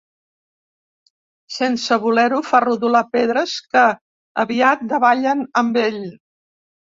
Sense voler-ho fa rodolar pedres que, aviat, davallen amb ell.